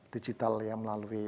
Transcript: digital ya melalui